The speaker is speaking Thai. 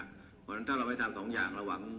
เพราะฉะนั้นถ้าเราไม่ทำสองอย่างเราหวัง